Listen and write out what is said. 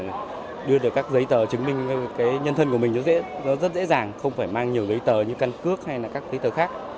mình có thể đưa được các giấy tờ chứng minh nhân thân của mình rất dễ dàng không phải mang nhiều giấy tờ như căn cước hay là các giấy tờ khác